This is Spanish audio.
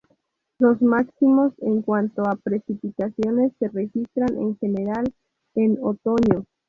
Los máximos en cuanto a precipitaciones se registran en general en otoño.